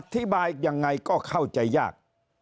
อธิบายยังไงก็เข้าใจยาก